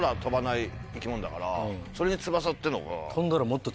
それに翼っていうのが。